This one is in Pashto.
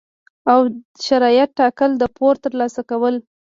او شرایط ټاکل، د پور ترلاسه کول،